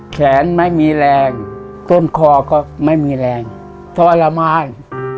แขนไม่มีแรงต้นคอก็ไม่มีแรงทรมาน